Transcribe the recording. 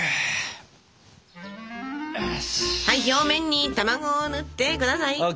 はい表面に卵を塗って下さい。